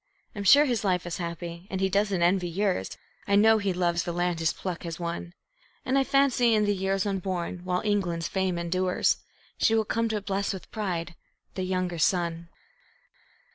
I'm sure his life is happy, and he doesn't envy yours; I know he loves the land his pluck has won; And I fancy in the years unborn, while England's fame endures, She will come to bless with pride The Younger Son.